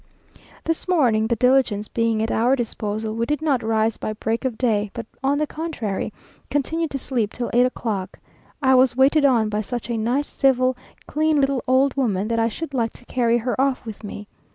This morning the diligence being at our disposal we did not rise by break of day, but on the contrary, continued to sleep till eight o'clock. I was waited on by such a nice, civil, clean little old woman, that I should like to carry her off with me.